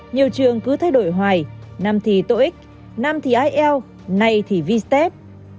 nhiều trường cứ thay đổi hoài năm thì toeic năm thì ielts nay thì vstep